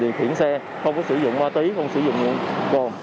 để mình đi khuyển xe không có sử dụng ma túy không sử dụng những con